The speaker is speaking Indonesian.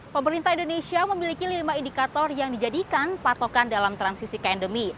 pemerintah indonesia memiliki lima indikator yang dijadikan patokan dalam transisi ke endemi